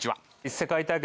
世界大会